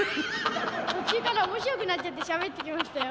途中から面白くなっちゃってしゃべってきましたよ。